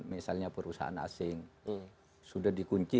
misalnya perusahaan asing sudah dikunci